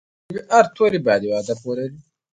د ژبې هر توری باید یو هدف ولري.